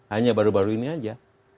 hanya baru baru ini aja